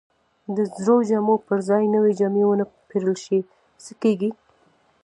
که د زړو جامو پر ځای نوې جامې ونه پیرل شي، څه کیږي؟